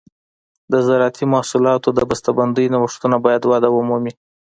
د زراعتي محصولاتو د بسته بندۍ نوښتونه باید وده ومومي.